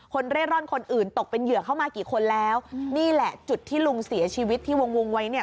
เร่ร่อนคนอื่นตกเป็นเหยื่อเข้ามากี่คนแล้วนี่แหละจุดที่ลุงเสียชีวิตที่วงวงไว้เนี่ย